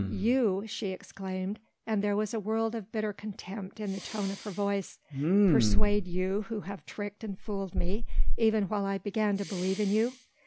"You," she exclaimed, and there was a world of bitter contempt in the tone of her voice, "persuade you who have tricked and fooled me, even while I began to believe in you?